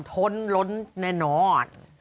ท้นล้นแน่นอน